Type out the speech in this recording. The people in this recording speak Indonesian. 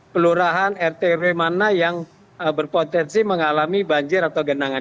pelurahan rtw mana yang berpotensi mengalami banjir atau genangan